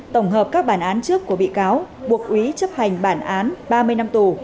tổng hợp các bản án trước của bị cáo buộc ý chấp hành bản án ba mươi năm tù